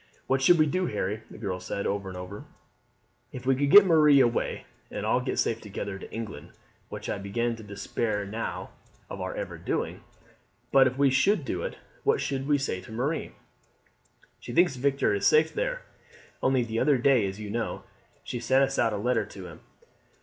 "What should we do, Harry," the girl said over and over again, "if we could get Marie away and all get safe together to England, which I begin to despair now of our ever doing, but if we should do it what should we say to Marie? She thinks Victor is safe there. Only the other day, as you know, she sent us out a letter to him.